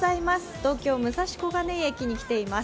東京・武蔵小金井駅に来ています。